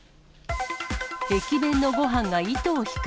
駅弁のごはんが糸を引く。